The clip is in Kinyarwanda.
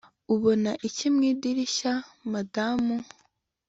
Ubona iki mu idirishya madamu